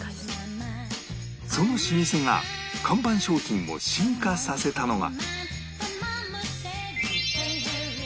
その老舗が看板商品を進化させたのが